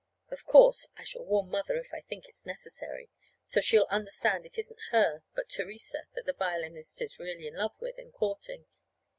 Of course, I shall warn Mother, if I think it's necessary, so she'll understand it isn't her, but Theresa, that the violinist is really in love with and courting.